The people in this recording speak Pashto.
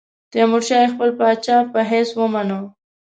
تیمورشاه یې خپل پاچا په حیث ومانه.